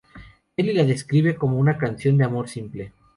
Nelly la describe como una canción de amor simple.